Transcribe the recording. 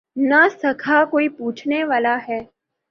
نہ ساکھ کا کوئی پوچھنے والا ہے۔